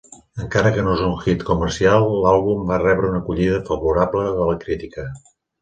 Encara que no és un hit comercial, l"àlbum va rebre una acollida favorable de la crítica.